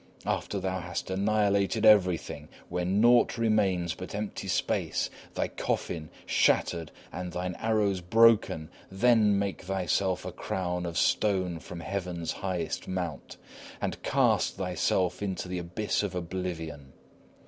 After thou hast annihilated everything, when naught remains but empty space, thy coffin shattered and thine arrows broken, then make thyself a crown of stone from heaven's highest mount, and cast thyself into the abyss of oblivion.